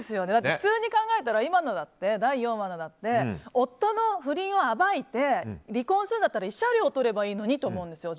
普通に考えたら今のだって第４話だって夫の不倫を暴いて離婚するんだったら慰謝料をとればいいのにと思うんですよ。